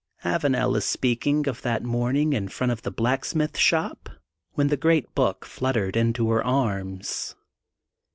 Avanel is speaking of that morning in front of the blacksmith shop when the great Book flut tered into her arms.